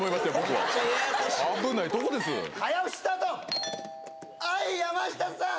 はい山下さん